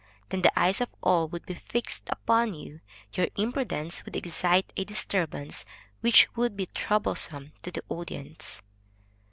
Then the eyes of all would be fixed upon you; your imprudence would excite a disturbance, which would be troublesome to the audience.